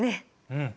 うん。